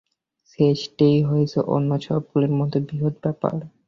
শেষটিই হয়েছে অন্য সবগুলির মধ্যে বৃহৎ ব্যাপার।